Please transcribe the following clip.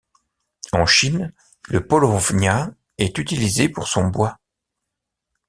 En Chine, le paulownia est utilisé pour son bois.